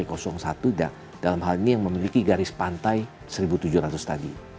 dan dalam hal ini yang memiliki garis pantai seribu tujuh ratus tadi